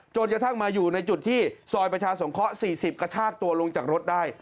จนกระทั่งมาอยู่ในจุดที่ซอยประชาสงเคราะห์๔๐กระชากตัวลงจากรถได้